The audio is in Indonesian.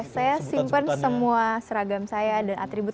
saya simpan semua seragam saya dan atribut